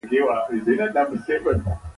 امیر محمد یعقوب خان په خپله خوښه ورغی.